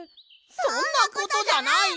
そんなことじゃない！